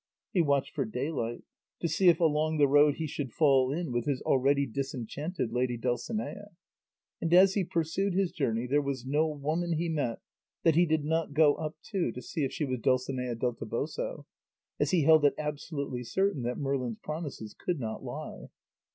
He watched for daylight, to see if along the road he should fall in with his already disenchanted lady Dulcinea; and as he pursued his journey there was no woman he met that he did not go up to, to see if she was Dulcinea del Toboso, as he held it absolutely certain that Merlin's promises could not lie.